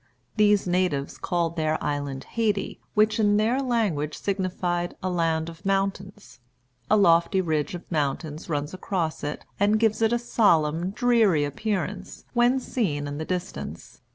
These natives called their island Hayti, which in their language signified a Land of Mountains. A lofty ridge of mountains runs across it, and gives it a solemn, dreary appearance, when seen in the distance.